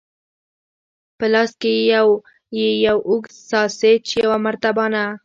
په لاس کې یې یو اوږد ساسیج، یوه مرتبانه.